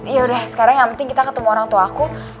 yaudah sekarang yang penting kita ketemu orang tua aku